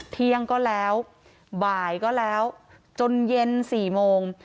เที่ยงก็แล้วบ่ายก็แล้วจนเย็น๔โมง